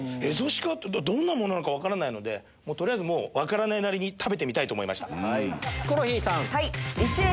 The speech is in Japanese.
蝦夷鹿ってどんなものなのか分かんないので取りあえず分からないなりに食べてみたいと思いました。